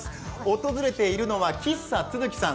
訪れているのは喫茶ツヅキさん